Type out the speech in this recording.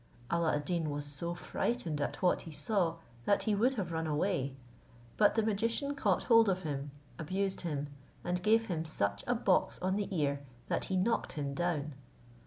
Alla ad Deen was so frightened at what he saw, that he would have run away; but the magician caught hold of him, abused him, and gave him such a box on the ear, that he knocked him down.